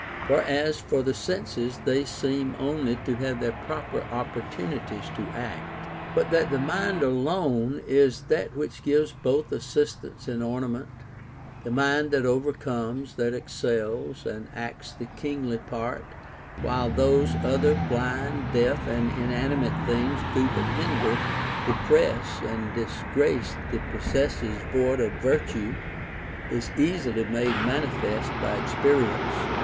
497 For as for the senses, they seem only to have their proper opportunities to act. But that tiie mind alone is that which gives both as sistance and ornament, the mind that overcomes, that excels, and acts the kingly part, while those other blind, deaf, and inanimate things do but hinder, depress, and disgrace the possessors void of virtue, is easily made mani fest by experience.